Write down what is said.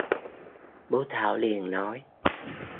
Bố Thảo liền nói